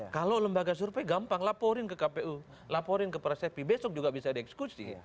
kalau lembaga survei gampang laporin ke kpu laporin ke prasepi besok juga bisa dieksekusi